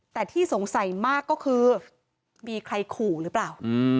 แต่ที่สงสัยมากก็คือมีใครขู่หรือเปล่า